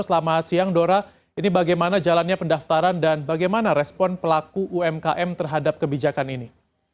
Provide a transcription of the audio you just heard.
selamat siang dora ini bagaimana jalannya pendaftaran dan bagaimana respon pelaku umkm terhadap kebijakan ini